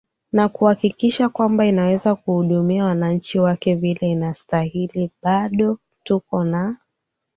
na kuwakikishia kwamba inaweza kuhudumia wananchi wake vile inastahili bado tuko naa